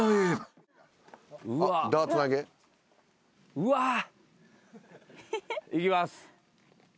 うわっ。いきます。